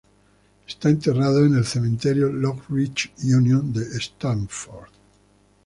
Está enterrado en el Cementerio Long Ridge Union de Stamford.